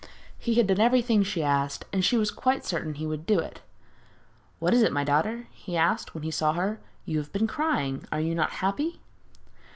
He had done everything she asked, and she was quite certain he would do it. 'What is it, my daughter?' he asked, when he saw her. 'You have been crying are you not happy?'